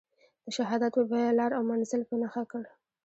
د شهادت په بیه لار او منزل په نښه کړ.